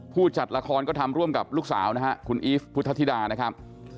จัดละครก็ทำร่วมกับลูกสาวนะฮะคุณอีฟพุทธธิดานะครับ